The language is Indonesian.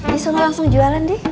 ini suruh langsung jualan di